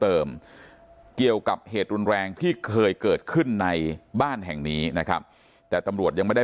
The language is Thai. เกี่ยวกับเหตุรุนแรงที่เคยเกิดขึ้นในบ้านแห่งนี้นะครับแต่ตำรวจยังไม่ได้